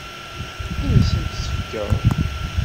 Ad asent-tt-tefkeḍ?